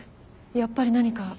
やっぱり何か。